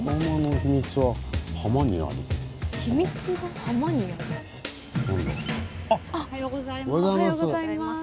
おはようございます。